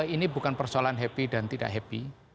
ini bukan persoalan happy dan tidak happy